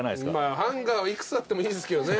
ハンガーは幾つあってもいいんですけどね。